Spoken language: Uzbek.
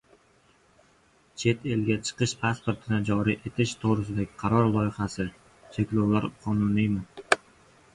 Chet elga chiqish pasportini joriy etish to‘g‘risidagi qaror loyihasi: cheklovlar qonuniymi?